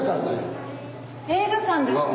映画館ですね。